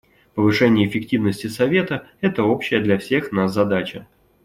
Повышение эффективности Совета — это общая для всех нас задача.